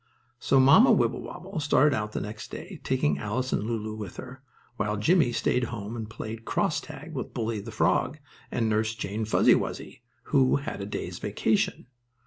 So Mamma Wibblewobble started out the next day, taking Alice and Lulu with her, while Jimmie stayed home and played cross tag with Bully, the frog, and Nurse Jane Fuzzy Wuzzy, who had a day's vacation.